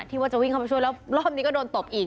ว่าจะวิ่งเข้ามาช่วยแล้วรอบนี้ก็โดนตบอีก